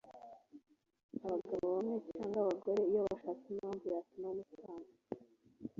Abagabo bamwe cyangwa abagore iyo bashaka impamvu yatuma mutana